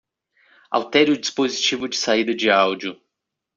Altere o dispositivo de saída de áudio.